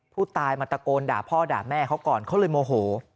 ผู้ตายมาตะโกนด่าพ่อด่าแม่เขาก่อนเขาเลยโมโห